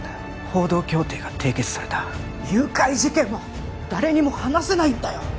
報道協定が締結された誘拐事件は誰にも話せないんだよ